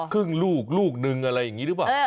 ลูกลูกนึงอะไรอย่างนี้หรือเปล่า